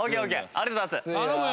ありがとうございます。